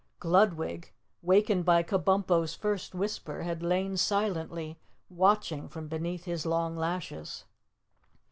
Gludwig, wakened by Kabumpo's first whisper, had lain silently watching from beneath his long lashes.